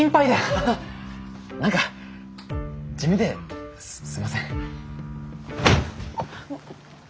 ハハッ何か地味ですいません。